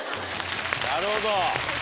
なるほど。